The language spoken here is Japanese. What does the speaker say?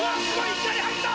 いきなり入った！